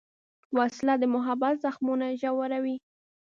وسله د محبت زخمونه ژوروي